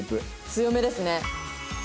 強めですね。